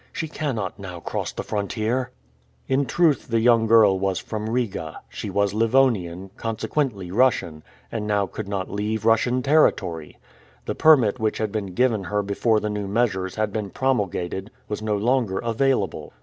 "She cannot now cross the frontier." In truth the young girl was from Riga; she was Livonian, consequently Russian, and now could not leave Russian territory! The permit which had been given her before the new measures had been promulgated was no longer available.